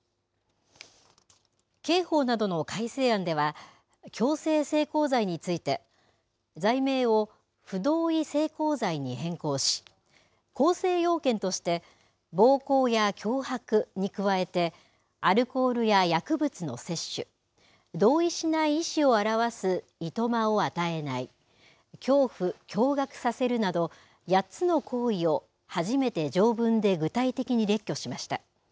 刑法などの改正案では、強制性交罪について、罪名を不同意性交罪に変更し、構成要件として、暴行や脅迫に加えて、アルコールや薬物の摂取、同意しない意思を表すいとまを与えない、恐怖・驚がくさせるなど８つの行為を初めて条文で具体的に列挙しました。